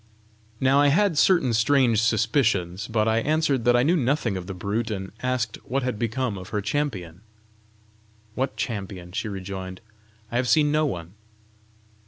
Now I had certain strange suspicions, but I answered that I knew nothing of the brute, and asked what had become of her champion. "What champion?" she rejoined. "I have seen no one."